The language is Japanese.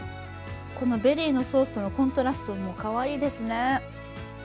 このベリーのソースのコントラストもかわいいですね。